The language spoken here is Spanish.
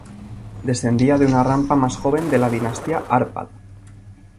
Descendía de una rama más joven de la dinastía Árpád.